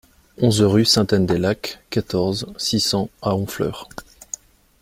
onze rue Saint-Anne-des-Lacs, quatorze, six cents à Honfleur